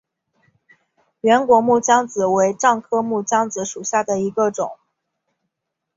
圆果木姜子为樟科木姜子属下的一个种。